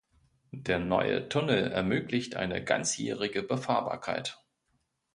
Der neue Tunnel ermöglicht eine ganzjährige Befahrbarkeit.